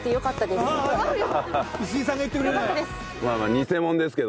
石井さんが言ってくれるなら。